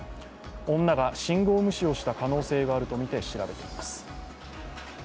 女が信号無視をした可能性があるとみて調べています。